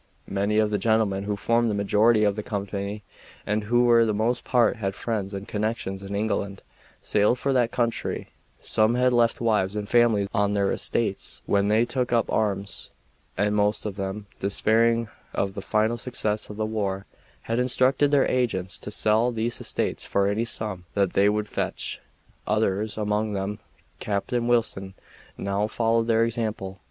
Many of the gentlemen who formed the majority of the company, and who for the most part had friends and connections in England, sailed for that country; some had left wives and families on their estates when they took up arms; and most of them, despairing of the final success of the war, had instructed their agents to sell these estates for any sum that they would fetch; others among them Captain Wilson now followed their example.